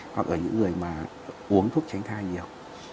hoặc là những người mà uống thuốc tránh thai nhiều